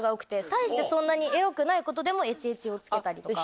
大してそんなにエロくないことでもえちえちをつけたりとか。